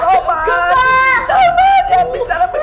samar jangan bicara begitu samar